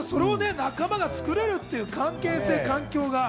仲間が作れるっていう関係性、環境が。